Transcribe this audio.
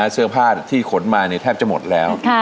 เสื้อผ้าที่ขนมาแทบจะหมดแล้ว